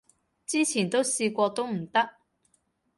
之前都試過都唔得